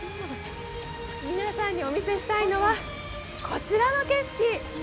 皆さんにお見せしたいのはこちらの景色。